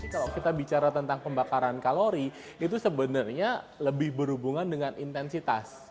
kalau kita bicara tentang pembakaran kalori itu sebenarnya lebih berhubungan dengan intensitas